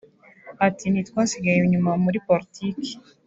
Ati “Ntitwasigaye inyuma muri politiki